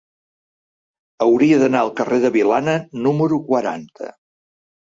Hauria d'anar al carrer de Vilana número quaranta.